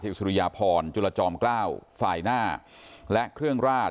สุริยพรจุลจอมเกล้าฝ่ายหน้าและเครื่องราด